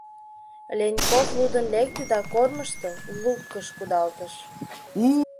Леньков лудын лекте да, кормыжтыл, лукыш кудалтыш.